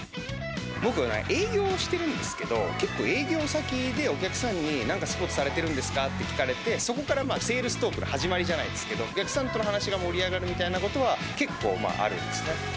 僕は営業してるんですけど、結構、営業先で、お客さんに、なんかスポーツされてるんですかって聞かれて、そこからセールストークの始まりじゃないですけど、お客さんとの話が盛り上がるみたいなことは結構あるんですね。